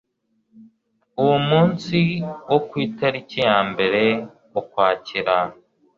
uwo munsi wo ku itariki ya mbere Ukwakira